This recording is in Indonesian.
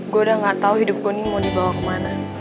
gue udah nggak tahu hidup gue ini mau dibawa kemana